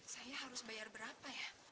saya harus bayar berapa ya